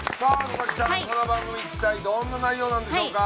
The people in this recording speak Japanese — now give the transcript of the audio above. この番組一体どんな内容なんでしょうか？